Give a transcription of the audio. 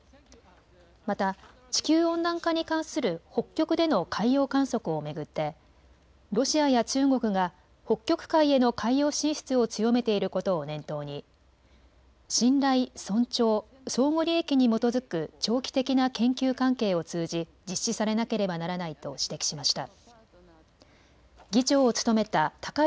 また地球温暖化に関する北極での海洋観測を巡ってロシアや中国が北極海への海洋進出を強めていることを念頭に信頼、尊重、相互利益に基づく長期的な研究関係を通じ実施されなければならないと指摘しました。